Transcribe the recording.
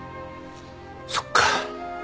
そっか。